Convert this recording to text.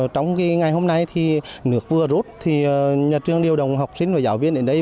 trong ngày hôm nay thì nước vừa rút nhà trường điều động học sinh và giáo viên đến đây